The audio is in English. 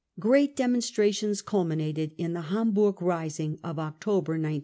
Great demonstrations culminated in the Hamburg rising of October 1923.